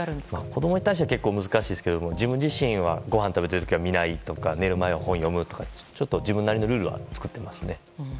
子供に対して結構難しいですが自分自身はごはん食べてる時は見ないとか寝る前は本を読むとか自分なりのルールは作っていますね。